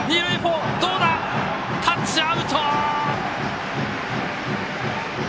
タッチアウト！